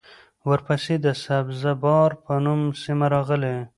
ورپسې د سبزه بار په نوم سیمه راغلې